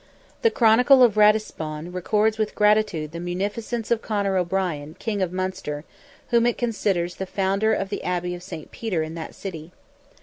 The chronicle of Ratisbon records with gratitude the munificence of Conor O'Brien, King of Munster, whom it considers the founder of the Abbey of St. Peter in that city.